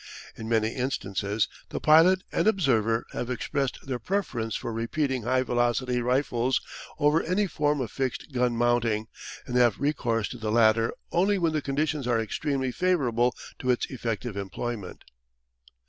In many instances the pilot and observer have expressed their preference for repeating high velocity rifles over any form of fixed gun mounting, and have recourse to the latter only when the conditions are extremely favourable to its effective employment.